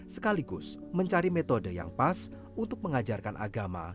sekaligus mencari metode yang pas untuk mengajarkan agama